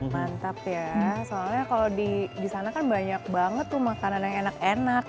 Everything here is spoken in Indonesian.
mantap ya soalnya kalau di sana kan banyak banget tuh makanan yang enak enak